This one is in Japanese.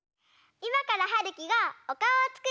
いまからはるきがおかおをつくるよ。